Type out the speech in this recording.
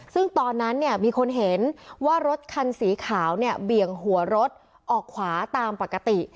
ซึ่งตอนนั้นเนี่ยมีคนเห็นว่ารถคันสีขาวเนี่ยเบี่ยงหัวรถออกขวาตามปกติ